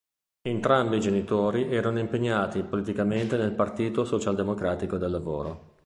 Entrambi i genitori erano impegnati politicamente nel Partito Socialdemocratico del Lavoro.